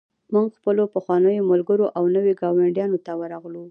موږ خپلو پخوانیو ملګرو او نویو ګاونډیانو ته ورغلو